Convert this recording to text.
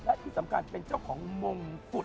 และที่สำคัญเป็นเจ้าของมงกุฎ